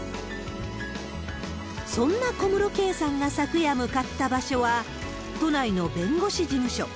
そんな小室圭さんが昨夜向かった場所は、都内の弁護士事務所。